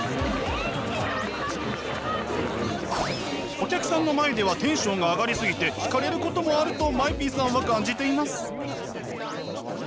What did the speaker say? お客さんの前ではテンションが上がり過ぎて引かれることもあるとＭＡＥＰさんは感じてます。